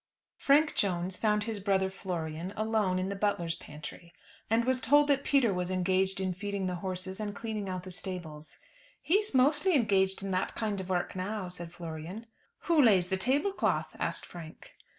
Frank Jones found his brother Florian alone in the butler's pantry, and was told that Peter was engaged in feeding the horses and cleaning out the stables. "He's mostly engaged in that kind of work now," said Florian. "Who lays the tablecloth?" asked Frank.